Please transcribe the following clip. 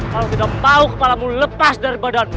kalau tidak mau kepalamu lepas dari badan